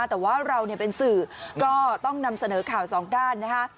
แต่ว่าเราเป็นสื่อก็ต้องนำเสนอข่าวสองด้านนะคะ